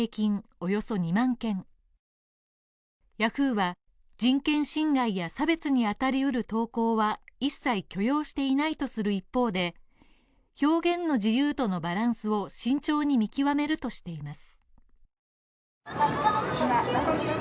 およそ２万件ヤフーは、人権侵害や差別にあたりうる投稿は一切許容していないとする一方で、表現の自由とのバランスを慎重に見極めるとしています。